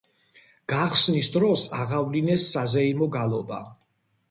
გახსნის დროს აღავლინეს საზეიმო გალობა.